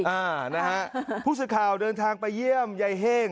ภูมิผู้ชจิตข่าวและเดินทางไปเยี่ยมไยเห้ง